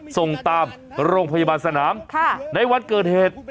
ส่งตามโรงพยาบาลสนามในวันเกิดเหตุ